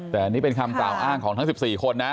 แต่อันนี้เป็นคำกล่าวอ้างของทั้ง๑๔คนนะ